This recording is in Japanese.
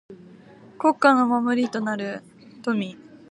国家の守りとなる臣。